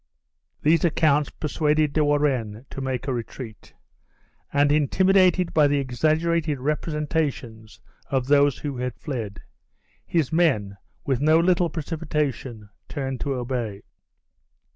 These accounts persuaded De Warenne to make a retreat; and intimidated by the exaggerated representations of those who had fled, his men, with no little precipitation, turned to obey.